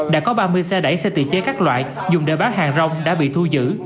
đã có ba mươi xe đẩy xe tự chế các loại dùng để bán hàng rong đã bị thu giữ